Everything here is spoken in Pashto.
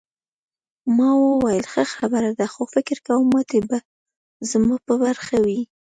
ما وویل ښه خبره ده خو فکر کوم ماتې به زما په برخه وي.